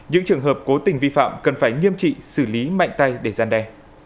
những trường hợp cố tình vi phạm cần phải nghiêm trị xử lý mạnh tay để gian đe